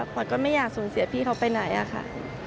ขวัญก็ไม่อยากสูญเสียพี่เขาไปไหนอะค่ะ